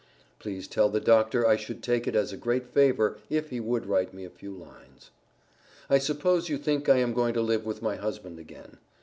Please tell the Doctor I should take it as a great favor if he would write me a few lines. I suppose you think I am going to live with my husband again.